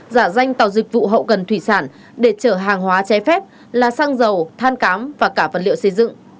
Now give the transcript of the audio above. giả danh tàu dịch vụ hậu cần thủy sản để chở hàng hóa trái phép là xăng dầu than cám và cả vật liệu xây dựng